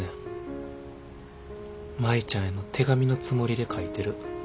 舞ちゃんへの手紙のつもりで書いてる。